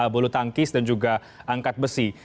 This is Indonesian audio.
bulu tangkis dan juga angkat besi